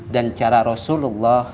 dan cara rasulullah